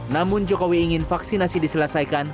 namun jokowi ingin vaksinasi diselesaikan